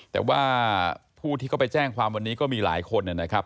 แต่ว่าผู้ที่เขาไปแจ้งความวันนี้ก็มีหลายคนนะครับ